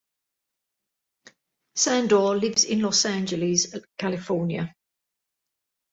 Sandor lives in Los Angeles, California.